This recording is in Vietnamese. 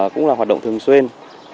cũng là hoạt động thường xuyên